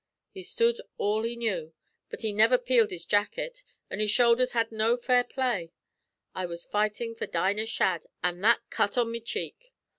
"He stud all he knew, but he niver peeled his jackut, an' his shoulders had no fair play. I was fightin' for Dinah Shadd an' that cut on me cheek.